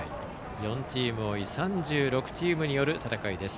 ４チーム多い３６チームによる戦いです。